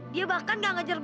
dia bahkan gak ngajar gue